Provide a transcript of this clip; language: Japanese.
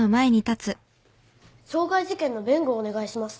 傷害事件の弁護をお願いします。